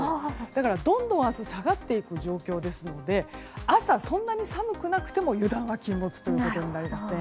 だからどんどん明日下がっていく状況ですので朝、そんなに寒くなくても油断は禁物ということになります。